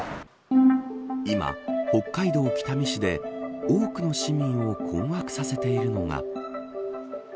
今、北海道北見市で多くの市民を困惑させているのが。